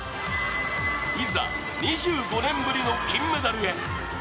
いざ、２５年ぶりの金メダルへ。